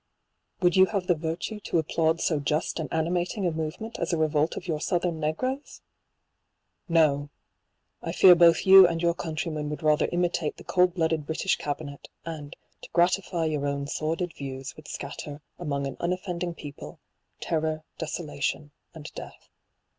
Would you have the virtue to ap plaud so just and animating a movement as a revolt of your southern negroes ? No ! I fear both you and your countrymen would rather imitate the cold blooded British cabinet, and, to gratify your own sordid views, would scatter, among an unoffending people, terror, de solation, and death.